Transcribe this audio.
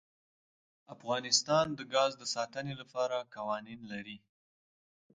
افغانستان د ګاز د ساتنې لپاره قوانین لري.